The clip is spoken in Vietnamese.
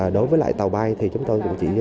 đối với lại tàu bay thì chúng tôi cũng chỉ như